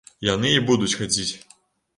Яны і будуць хадзіць.